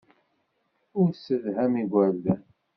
Ur tessedham igerdan.